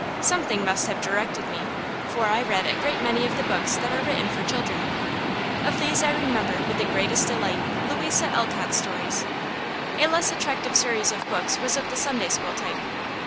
Something must have directed me, for I read a great many of the books that are written for children. Of these I remember with the greatest delight Louisa Alcott's stories. A less attractive series of books was of the Sunday School type.